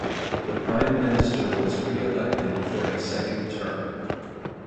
The prime minister was re-elected for a second term.